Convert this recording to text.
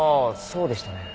そうでしたね。